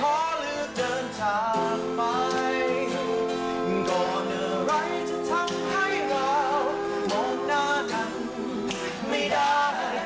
ขอเลือกเดินทางไหมยอมตัดใจมาทำให้เธอ